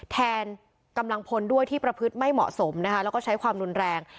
กำลังพลด้วยที่ประพฤติไม่เหมาะสมนะคะแล้วก็ใช้ความรุนแรง